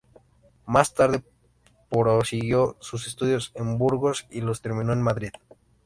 Más tarde prosiguió sus estudios en Burgos y los terminó en Madrid.